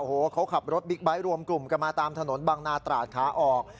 โอ้โหเขาขับรถบิ๊กไบท์รวมกลุ่มกันมาตามถนนบางนาตราดขาออก